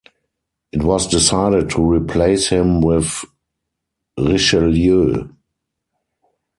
It was decided to replace him with Richelieu.